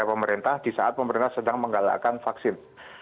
pemerintah di saat pemerintah sedang menggalakkan vaksin